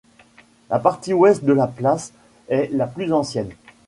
La partie ouest de la place est la plus ancienne.